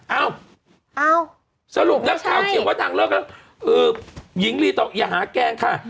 เอาสรุปนักข่าวเขียนว่านางเลิกแล้วหญิงลีตอบอย่าหาแกล้งค่ะ